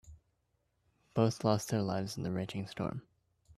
Both lost their lives in the raging storm.